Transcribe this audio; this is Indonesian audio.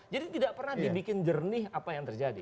jadi tidak pernah dibikin jernih apa yang terjadi